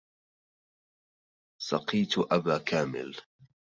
سقيت أبا كامل